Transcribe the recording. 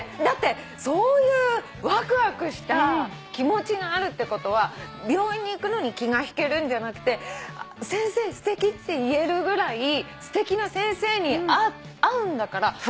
だってそういうワクワクした気持ちがあるってことは病院に行くのに気が引けるんじゃなくて「先生すてき」って言えるぐらいすてきな先生に会うんだから。